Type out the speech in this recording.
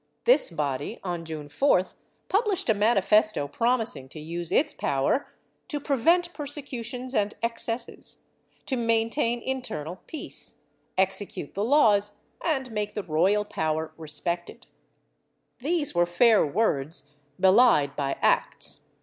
This body, on June 4th, published a manifesto promising to use its power to prevent persecutions and excesses, to maintain inter nal peace, execute the laws and make the royal power respected/ These were fair words, belied by acts.